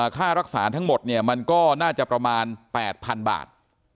ค่ารักษาทั้งหมดเนี่ยมันก็น่าจะประมาณ๘๐๐๐บาท